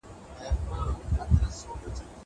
زه کولای سم کتابونه وړم!